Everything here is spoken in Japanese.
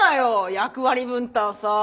役割分担さ。